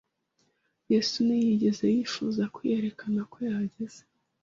Yesu ntiyigeze yifuza kwiyerekana ko yahageze,